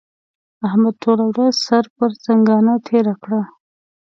احمد ټوله ورځ سر پر ځنګانه تېره کړه.